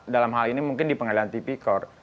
dalam hal ini mungkin di pengadilan tipikor